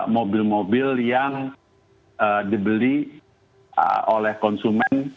mobil mobil yang dibeli oleh konsumen